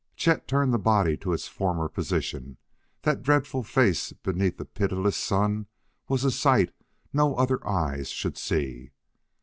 Chet turned the body to its former position; that dreadful face beneath a pitiless sun was a sight no other eyes should see.